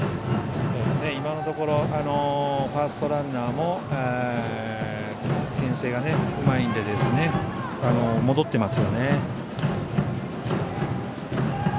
今のところファーストランナーもけん制がうまいんで戻ってますよね。